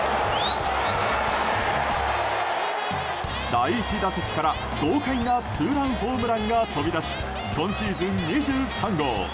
第１打席から豪快なツーランホームランが飛び出し今シーズン、２３号。